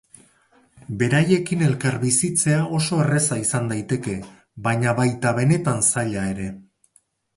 Beraiekin elkarbizitzea oso erraza izan daiteke, baina baita benetan zaila ere.